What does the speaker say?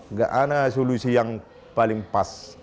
nggak ada solusi yang paling pas